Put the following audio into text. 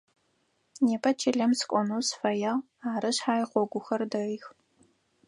Непэ чылэм сыкӏонэу сыфэягъ, ары шъхьай гъогухэр дэих.